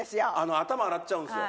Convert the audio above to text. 頭洗っちゃうんですよ。